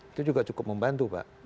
itu juga cukup membantu pak